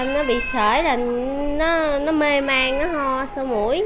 nó bị sởi là nó mê mang nó ho sâu mũi